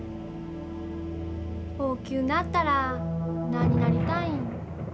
大きゅうなったら何になりたいん？